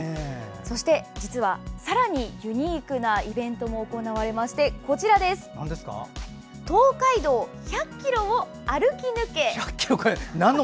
そして、実はさらにユニークなイベントも行われまして「東海道１００ｋｍを歩き抜け！！」。